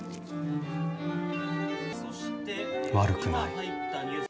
悪くない。